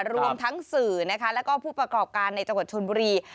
รวมทั้งสื่อนะคะแล้วก็ผู้ประกอบการในจังหวัดชนบุรี